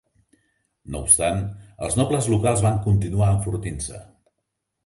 No obstant, els nobles locals van continuar enfortint-se.